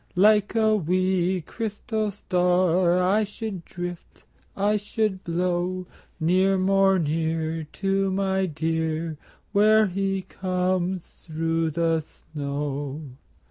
Like a wee, crystal star I should drift, I should blow Near, more near, To my dear Where he comes through the snow.